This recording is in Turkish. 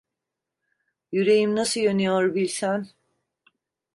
Yüreğim nasıl yanıyor bilsen…